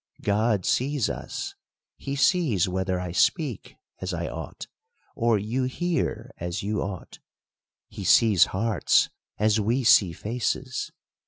God sees us ; he sees whether I speak as I ought, or you hear as you ought ; he sees hearts, as we see faces.